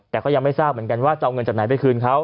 แต่ก็ยังไม่ทราบเหมือนกันว่าจะเอาเงินจากไหนไปคืนเขา